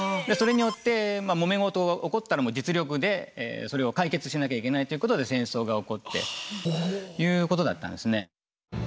それによってもめ事起こったのを実力でそれを解決しなきゃいけないということで戦争が起こっていうことだったんですね。